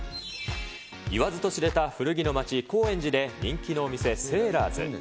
言わずと知れた古着の街、高円寺で人気のお店、セーラーズ。